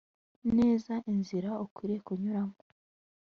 neza inzira ukwiriye kunyuramo